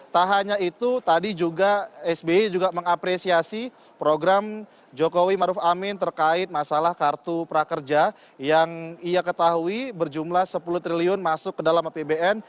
tak hanya itu tadi juga sby juga mengapresiasi program jokowi maruf amin terkait masalah kartu prakerja yang ia ketahui berjumlah sepuluh triliun masuk ke dalam apbn